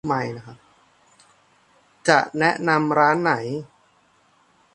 จะแนะนำร้านไหน